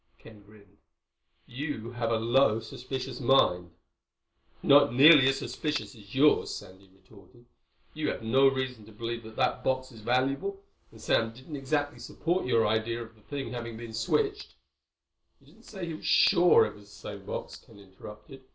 Ken grinned. "You have a low suspicious mind." "It's not nearly as suspicious as yours," Sandy retorted. "You have no reason to believe that box is valuable. And Sam didn't exactly support your idea of the thing having been switched—" "He didn't say he was sure it was the same box," Ken interrupted.